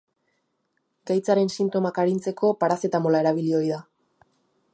Gaitzaren sintomak arintzeko parazetamola erabili ohi da.